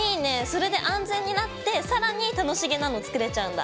それで安全になって更に楽しげなの作れちゃうんだ！